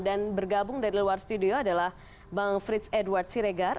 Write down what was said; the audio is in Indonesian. dan bergabung dari luar studio adalah bang frits edward siregar